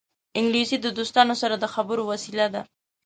انګلیسي د دوستانو سره د خبرو وسیله ده